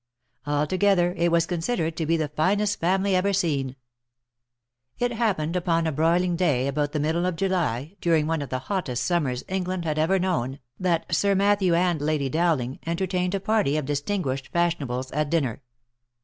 Altogether, it was considered to be the finest family ever seen. It happened upon a broiling day about the middle of July, during one of the hottest summers England had ever known, that Sir Matthew and Lady Dowling " entertained a party of distinguished fashionables" at dinner.